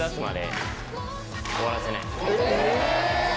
え！